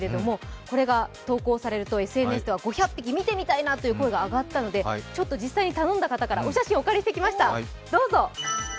これが投稿されるとＳＮＳでは５００匹見てみたいなという声が上がったのでちょっと実際に頼んだ方からお写真をお借りしてきました。